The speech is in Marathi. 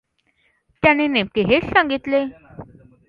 त्यांनी नेमके हेच सांगितले.